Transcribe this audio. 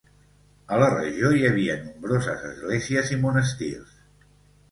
A la regió hi havia nombroses esglésies i monestirs.